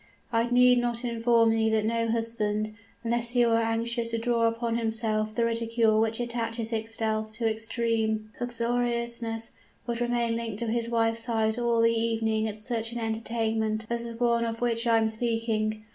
I need not inform you that no husband, unless he were anxious to draw down upon himself the ridicule which attaches itself to extreme uxoriousness, would remain linked to his wife's side all the evening at such an entertainment as the one of which I am speaking.